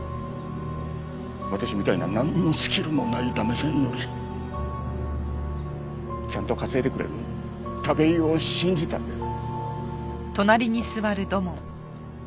私みたいななんのスキルもない駄目社員よりちゃんと稼いでくれる田部井を信じたんです。